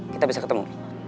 kita bisa ketemu